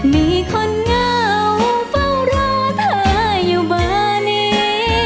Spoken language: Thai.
มีคนเหงาเฝ้ารอเธออยู่เบอร์นี้